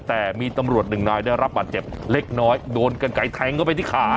แต่มีตำรวจหนึ่งนายได้รับบาดเจ็บเล็กน้อยโดนกันไกลแทงเข้าไปที่ขา